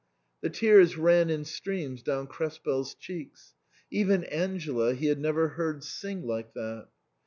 The tears ran in streams down Krespel's cheeks ; even Angela he had never heard sing like that.